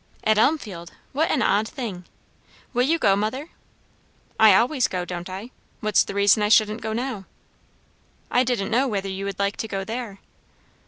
"At Elmfield! What an odd thing! Will you go, mother?" "I always go, don't I? What's the reason I shouldn't go now?" "I didn't know whether you would like to go there."